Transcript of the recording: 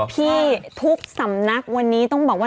พี่ทุกสำนักวันนี้ต้องบอกว่า